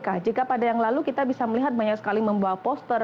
apakah jika pada yang lalu kita bisa melihat banyak sekali membawa poster